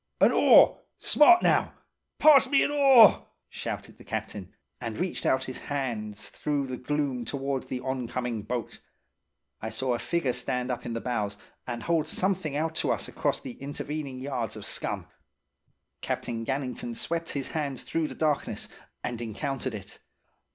"'An oar! Smart, now–pass me an oar!' shouted the captain; and reached out his hands through the gloom towards the on coming boat. I saw a figure stand up in the bows, and hold something out to us across the intervening yards of scum. Captain Gannington swept his hands through the darkness, and encountered it.